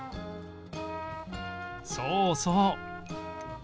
そうそう。